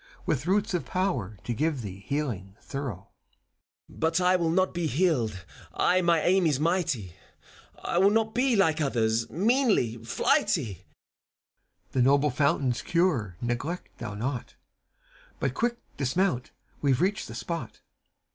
With roots of power to give thee healing thorough. ^8 FAUST. FAUST. But I will not be healed I my aim is mighty : I will not be, like others, meanly flighty I CHIRON. The noble fountain's cure neglect thou not: But quick dismount I We've reached the spot. FAUST.